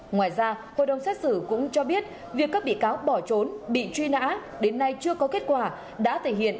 ngoài ra hội đồng xét xử cũng cho biết việc các bị cáo bỏ trốn bị truy nã đến nay chưa có kết quả đã thể hiện